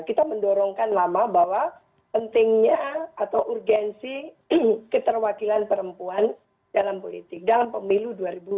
kita mendorongkan lama bahwa pentingnya atau urgensi keterwakilan perempuan dalam politik dalam pemilu dua ribu dua puluh